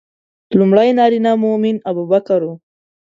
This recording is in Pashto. لومړی نارینه مؤمن ابوبکر و.